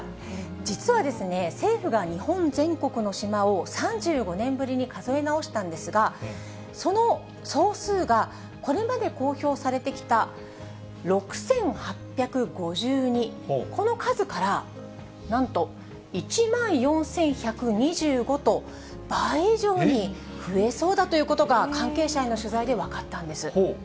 実はですね、政府が日本全国の島を３５年ぶりに数え直したんですが、その総数が、これまで公表されてきた６８５２、この数から、なんと１万４１２５と、倍以上に増えそうだということが、関係者への取材で分かったんです。